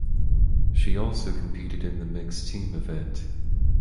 She also competed in the mixed team event.